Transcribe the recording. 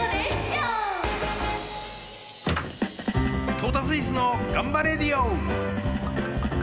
「トータスイスのがんばレディオ！」。